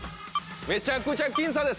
めちゃくちゃ僅差です！